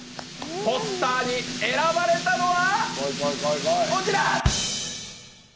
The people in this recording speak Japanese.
ポスターに選ばれたのは、こちら！